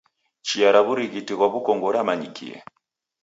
Chia ra w'urighiti ghwa w'ukongo ramanyikie.